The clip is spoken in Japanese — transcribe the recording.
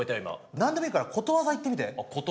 何でもいいからことわざ言ってみて。